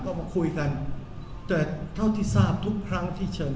โอเคโอเคเพราะว่าคุณพี่กี่อยู่เพราะว่า๒๐ปีเมื่อ